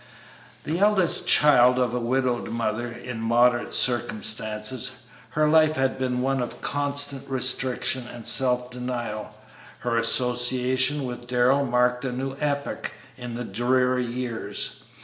The eldest child of a widowed mother, in moderate circumstances, her life had been one of constant restriction and self denial. Her association with Darrell marked a new epoch in the dreary years.